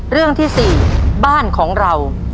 เรื่องที่๔บ้านของเรา